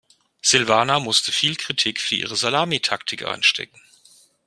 Silvana musste viel Kritik für ihre Salamitaktik einstecken.